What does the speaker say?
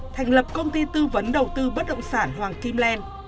thành lập công ty tư vấn đầu tư bất động sản hoàng kim len